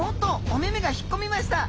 お目々が引っ込みました。